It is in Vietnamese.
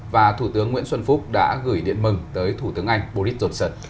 và thủ tướng nguyễn xuân phúc đã gửi điện mừng tới thủ tướng anh boris johnson